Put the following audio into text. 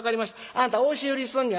あんた押し売りすんのやな。